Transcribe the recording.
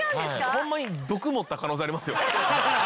ホンマに毒盛った可能性ありますよね。